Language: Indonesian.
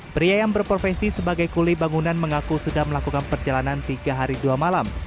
pria yang berprofesi sebagai kuli bangunan mengaku sudah melakukan perjalanan tiga hari dua malam